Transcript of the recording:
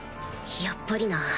やっぱりな